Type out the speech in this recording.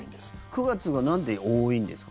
９月がなんで多いんですか？